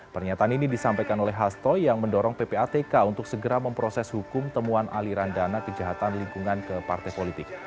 pernyataan ini disampaikan oleh hasto yang mendorong ppatk untuk segera memproses hukum temuan aliran dana kejahatan lingkungan ke partai politik